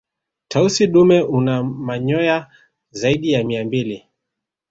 tausi dume una manyoa zaidi ya mia mbili